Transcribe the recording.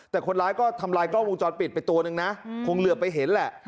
แต่คนร้ายก็ทำลายกล้องวงจรปิดไปตัวนึงนะคงเหลือไปเห็นแหละ